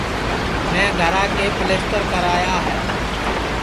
میں گھرا کے پِلیستر کرا یا ہے